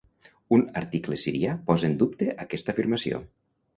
Un article sirià posà en dubte aquesta afirmació.